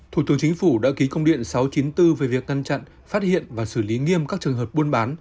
thủ tướng chính phủ đã ký công điện sáu trăm chín mươi bốn về việc ngăn chặn phát hiện và xử lý nghiêm các trường hợp buôn bán